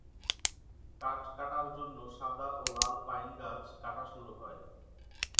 কাঠ কাটার জন্য সাদা ও লাল পাইন গাছ কাটা শুরু হয়।